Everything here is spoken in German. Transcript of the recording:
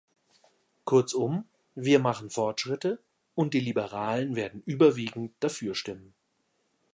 Kurzum, wir machen Fortschritte, und die Liberalen werden überwiegend dafür stimmen.